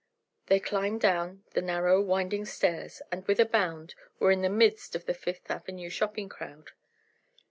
They climbed down the narrow, winding stairs and with a bound were in the midst of the Fifth Avenue shopping crowd.